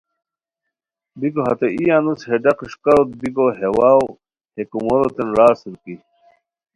بیکو ہتے ای انوس ہے ڈاق اݰکاروت بیکو ہے واؤ ہے کوموروتین را اسور کی